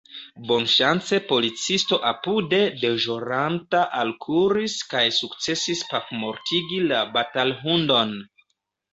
Bonŝance policisto apude deĵoranta alkuris kaj sukcesis pafmortigi la batalhundon.